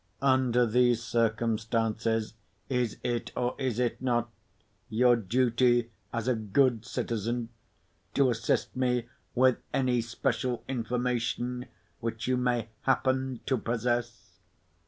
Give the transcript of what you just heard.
Under these circumstances, is it, or is it not, your duty as a good citizen, to assist me with any special information which you may happen to possess?"